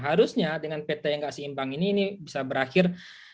harusnya dengan pt yang nggak seimbang ini ini bisa berakhir